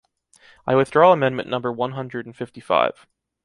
I withdraw amendment number one hundred and fifty-five.